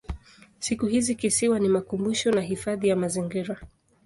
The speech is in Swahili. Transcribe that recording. Siku hizi kisiwa ni makumbusho na hifadhi ya mazingira.